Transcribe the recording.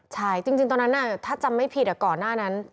ใช่จริงตอนนั้นถ้าจำไม่ผิดก่อนหน้านั้น